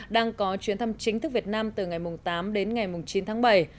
đang có chuyến thăm chính thức việt nam từ ngày tám đến ngày chín tháng bảy